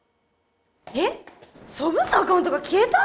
えっソブーのアカウントが消えた？